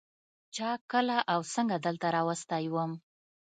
چا کله او څنگه دلته راوستى وم.